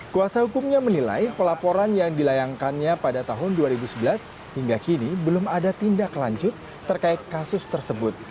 kuasa hukumnya menilai pelaporan yang dilayangkannya pada tahun dua ribu sebelas hingga kini belum ada tindak lanjut terkait kasus tersebut